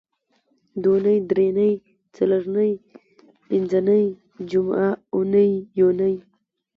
دونۍ درېنۍ څلرنۍ پینځنۍ جمعه اونۍ یونۍ